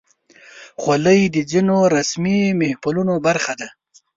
خولۍ د ځینو رسمي محفلونو برخه ده.